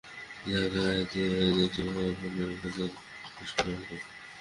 যা গাঁয়ে গাঁয়ে দেশে-দেশে এই অভয়বাণী আচণ্ডালব্রাহ্মণকে শোনাগে।